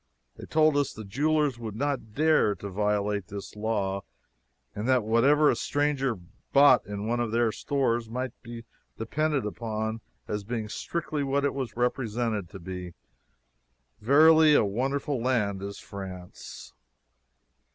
They told us the jewelers would not dare to violate this law, and that whatever a stranger bought in one of their stores might be depended upon as being strictly what it was represented to be. Verily, a wonderful land is France!